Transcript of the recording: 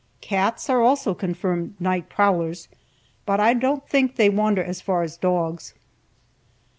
Cats are also confirmed night prowlers, but I don't think they wander as far as dogs.